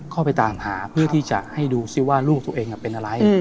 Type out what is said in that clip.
เข้าไปตามหาเพื่อที่จะให้ดูซิว่าลูกตัวเองเป็นอะไร